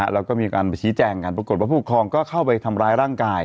แล้วก็มีการชี้แจงกันปรากฏว่าผู้ปกครองก็เข้าไปทำร้ายร่างกาย